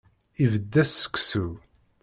Ibedd-as seksu.